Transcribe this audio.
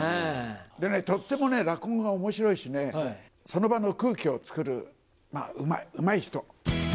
とってもね、落語がおもしろいしね、その場の空気を作るのがうまい人。